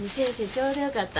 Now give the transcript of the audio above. ちょうどよかった。